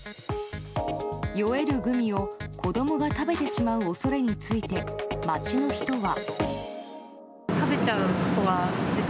酔えるグミを子供が食べてしまう恐れについて、街の人は。